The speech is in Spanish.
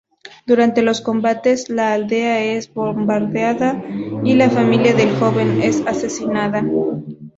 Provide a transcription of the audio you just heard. Durante los combates, la aldea es bombardeada y la familia del joven es asesinada.